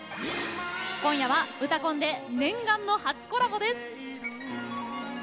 今夜は「うたコン」で念願の初コラボです。